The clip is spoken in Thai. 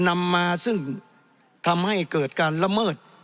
นำมาซึ่งทำให้เกิดการละเมิด